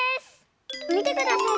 みてください